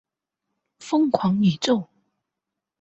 疯狂宇宙